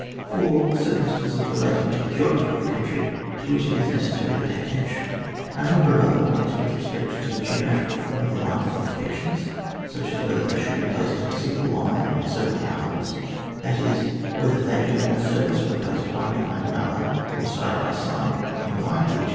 4. Circumstances relating to the geo graphy of the country to which u is necessary to pay attention. A number of other points with re spect to the geometrical lorm of the line of fortifications, such as whether they should be placed in a single line or in several lines, that is, whether they do more service when placed one behind an other, or side by side in line with each 106 ON WAR.